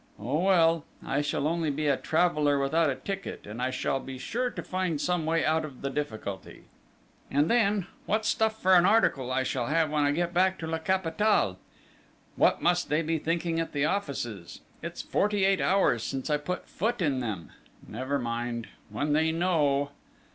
... Oh, well, I shall only be a traveller without a ticket and I shall be sure to find some way out of the difficulty! And then, what stuff for an article I shall have when I get back to La Capitale!... What must they be thinking at the offices! It's forty eight hours since I put foot in them! Never mind! When they know!..."